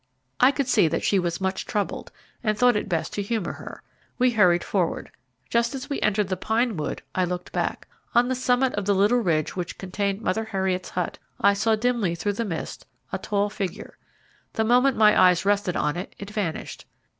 I could see that she was much troubled, and thought it best to humour her. We hurried forward. Just as we entered the pine wood I looked back. On the summit of the little ridge which contained Mother Heriot's hut I saw dimly through the mist a tall figure. The moment my eyes rested on it it vanished.